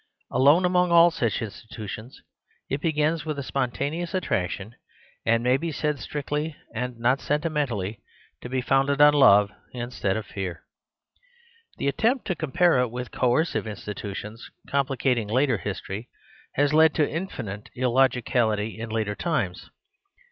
Alone among all such institutions it begins with a spontaneous attraction; and may be said strictly and not sentimentally to be founded on love instead of fear. The attempt to com pare it with coercive institutions complicating later history has led to infinite illogicality in later times.